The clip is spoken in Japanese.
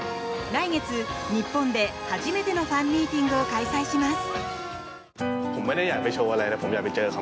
来月、日本で初めてのファンミーティングを開催します。